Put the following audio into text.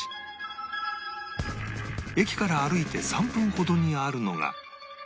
駅から歩いて３分ほどにあるのが